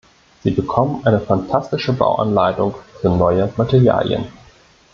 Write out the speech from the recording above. Sie bekommen eine fantastische Bauanleitung für neue Materialien.